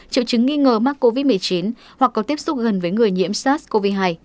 triệu chứng nghi ngờ mắc covid một mươi chín hoặc có tiếp xúc gần với người nhiễm sars cov hai